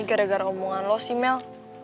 ini gara gara omongan lo sih mel